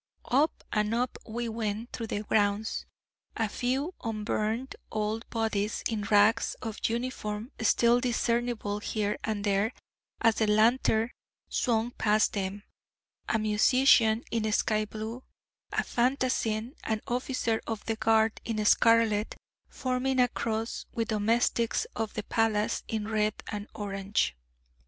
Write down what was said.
Up and up we went through the grounds, a few unburned old bodies in rags of uniform still discernible here and there as the lantern swung past them, a musician in sky blue, a fantassin and officer of the guard in scarlet, forming a cross, with domestics of the palace in red and orange.